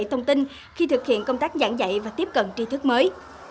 thông tin khi thực hiện công tác giảng dạy và tiếp cận trí thức mới